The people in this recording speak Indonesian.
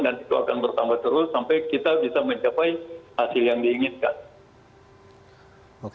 dan itu akan bertambah terus sampai kita bisa mencapai hasil yang diinginkan